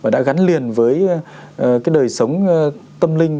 đối với cái đời sống tâm linh